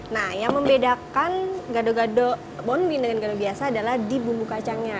nah yang membedakan gado gado bonbin dengan gado biasa adalah di bumbu kacangnya